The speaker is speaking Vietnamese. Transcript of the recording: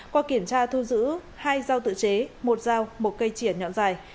qua kiểm tra thu giữ hai giao tự chế một giao một cây chỉa nhọn dài